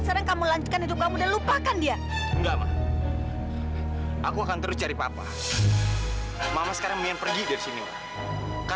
sampai jumpa di video selanjutnya